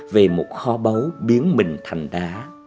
về một kho báu biến mình thành đá